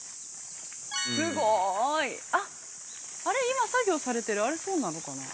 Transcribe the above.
すごーい、今、作業されてるあれ、そうなのかな。